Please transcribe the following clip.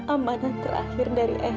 amanan terakhir dari anissa